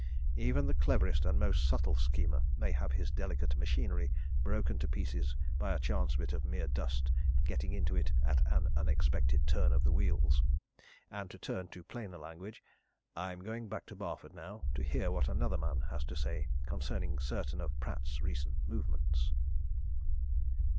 Even the cleverest and most subtle schemer may have his delicate machinery broken to pieces by a chance bit of mere dust getting into it at an unexpected turn of the wheels. And to turn to plainer language I'm going back to Barford now to hear what another man has to say concerning certain of Pratt's recent movements."